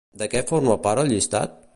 De què forma part el llistat?